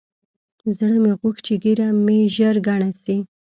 زړه مې غوښت چې ږيره مې ژر گڼه سي.